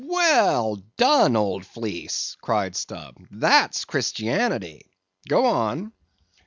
"Well done, old Fleece!" cried Stubb, "that's Christianity; go on."